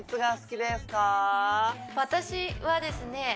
私はですね